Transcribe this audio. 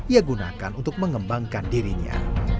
ia gunakan untuk mengembangkan dirinya